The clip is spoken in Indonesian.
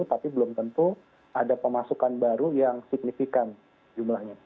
tapi belum tentu ada pemasukan baru yang signifikan jumlahnya